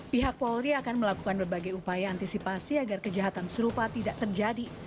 pihak polri akan melakukan berbagai upaya antisipasi agar kejahatan serupa tidak terjadi